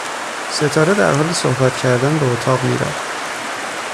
ستاره درحال صحبت کردن به اتاق می رود